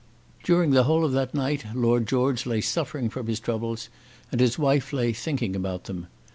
During the whole of that night Lord George lay suffering from his troubles, and his wife lay thinking about them.